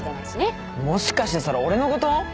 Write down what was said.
もしかしてそれ俺のこと？